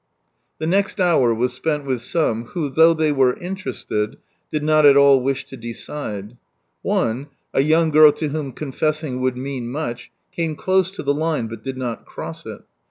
The next hour was spent with some who, though they were interested, did not at all wish to decide. One, a young girl to whom confessing would mean much, came close to the line, hut did not cross it.